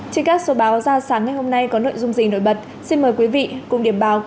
trên các số báo ra sáng ngày hôm nay có nội dung gì nổi bật xin mời quý vị cùng điểm báo